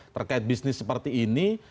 terkait bisnis seperti ini